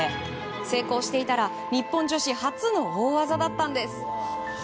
成功していたら日本女子初の大技だったんです。